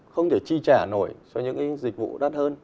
không thể chi trả nổi cho những dịch vụ đắt hơn